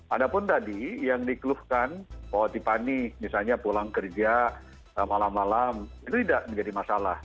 ada pun tadi yang dikeluhkan bahwa tipanik misalnya pulang kerja malam malam itu tidak menjadi masalah